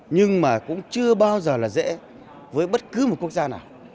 nhưng mà cũng chưa bao giờ là dễ với bất cứ một quốc gia nào